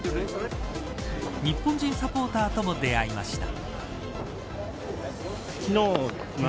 日本人サポーターとも出会いました。